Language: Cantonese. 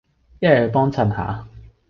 一係去幫襯下